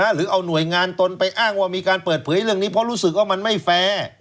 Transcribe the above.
หรือเอาหน่วยงานตนไปอ้างว่ามีการเปิดเผยเรื่องนี้เพราะรู้สึกว่ามันไม่แฟร์